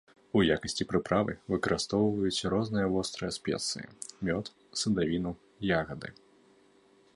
У якасці прыправы выкарыстоўваюць розныя вострыя спецыі, мёд, садавіну, ягады.